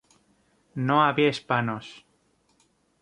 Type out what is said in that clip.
No había hispanos.